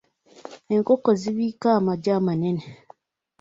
Enkoko zibiika amagi amanene.